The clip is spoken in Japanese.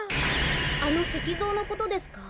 あのせきぞうのことですか？